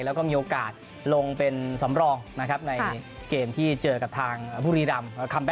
แล้วก็มีโอกาสลงเป็นสำรองนะครับในเกมที่เจอกับทางบุรีรำ